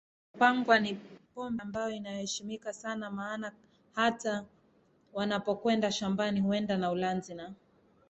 Wapangwa ni pombe ambayo inaheshimika sana maana hata wanapokwenda shambani huenda na ulanzi na